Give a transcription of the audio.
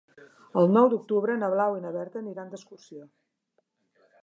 El nou d'octubre na Blau i na Berta aniran d'excursió.